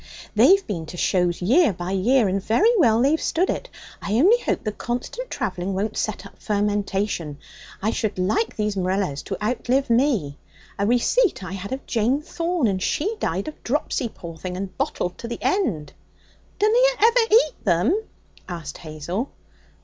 They've been to shows year by year, and very well they've stood it. I only hope the constant travelling won't set up fermentation. I should like those Morellas to outlive me. A receipt I had of Jane Thorn, and she died of dropsy, poor thing, and bottled to the end.' 'Dunna you ever eat 'em?' asked Hazel.